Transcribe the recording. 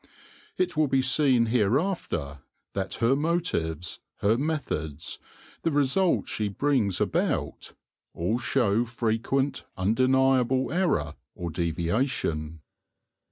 It will be seen hereafter that her motives, her methods, the results she brings about, all show frequent, undeniable error or deviation.